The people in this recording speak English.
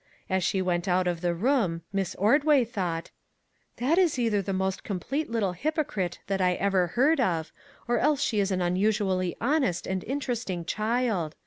As she went out of the room Miss Ordway thought : 116 A SEA OF TROUBLE " That is either the most complete little hypo crite that I ever heard of, or else she is an unusually honest and interesting child.